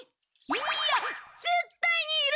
いいや絶対にいる！